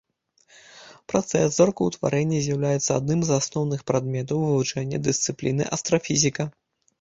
Працэс зоркаўтварэння з'яўляецца адным з асноўных прадметаў вывучэння дысцыпліны астрафізіка.